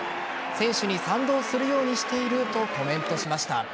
選手に賛同するようにしているとコメントしました。